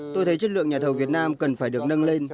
tôi thấy chất lượng nhà thầu việt nam cần phải được nâng lên